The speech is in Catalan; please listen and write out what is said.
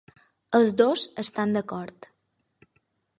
Els dos estan d'acord.